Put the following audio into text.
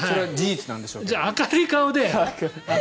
じゃあ明るい顔で。